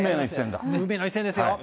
運命の一戦ですよ。